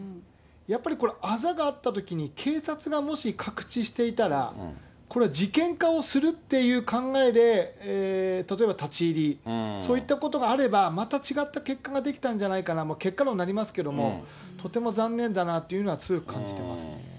やっぱりこれ、あざがあったとき、警察がもしかくちしていたら、これ、事件化をするっていう考えで、例えば立ち入り、そういったことがあれば、また違った結果が出てきたんじゃないかな、結果論になりますけれども、とても残念だなというふうには強く感じてますね。